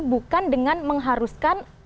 bukan dengan mengharuskan